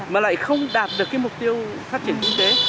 mà lại không đạt được cái mục tiêu phát triển kinh tế